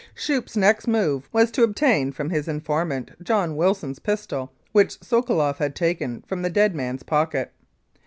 Schoeppe 's next move was to obtain from his in formant John Wilson's pistol, which Sokoloff had taken from the dead man's pocket.